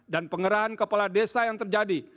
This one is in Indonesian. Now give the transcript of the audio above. dan penggerahan kepala desa yang terjadi